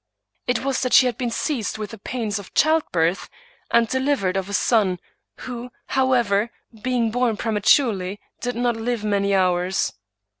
It was that she had been seized with the pains of childbirth, and delivered of a son, who, however, being born prematurely, did not live many hours.